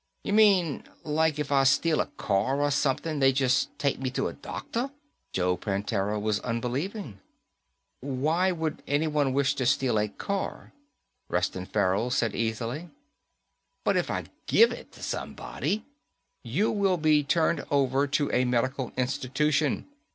"You mean, like, if I steal a car or something, they just take me to a doctor?" Joe Prantera was unbelieving. "Why would anybody wish to steal a car?" Reston Farrell said easily. "But if I give it to somebody?" "You will be turned over to a medical institution.